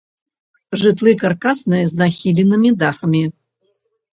Жытлы каркасныя з нахіленымі дахамі.